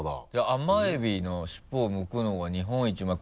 「甘エビの尻尾を剥くのが日本一上手い」